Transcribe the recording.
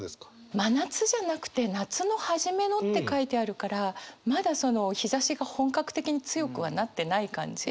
真夏じゃなくて「夏の初めの」って書いてあるからまだ日ざしが本格的に強くはなってない感じ？